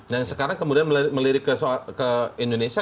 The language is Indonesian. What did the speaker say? yang sekarang kemudian melirik ke indonesia